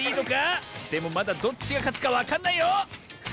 でもまだどっちがかつかわかんないよ！